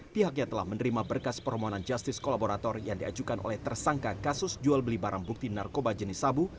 pihaknya telah menerima berkas permohonan justice kolaborator yang diajukan oleh tersangka kasus jual beli barang bukti narkoba jenis sabu